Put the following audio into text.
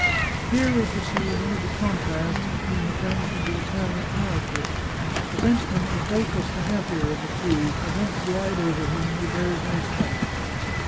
Here we perceive one of the contrasts between the French and the Italian character; the French man is doubtless the happier of the two — events glide over him ; he bears no spite.